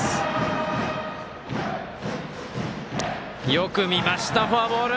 よく見ました、フォアボール。